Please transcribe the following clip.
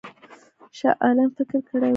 شاه عالم فکر کړی وو.